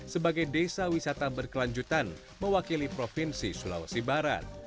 sebagai desa wisata berkelanjutan mewakili provinsi sulawesi barat